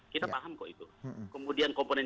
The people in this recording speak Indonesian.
kita paham kok itu kemudian komponen